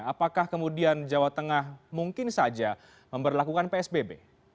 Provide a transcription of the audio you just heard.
apakah kemudian jawa tengah mungkin saja memperlakukan psbb